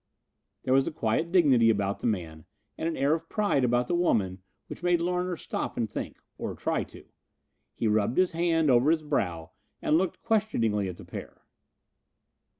There was a quiet dignity about the man and an air of pride about the woman which made Larner stop and think, or try to. He rubbed his hand over his brow and looked questioningly at the pair.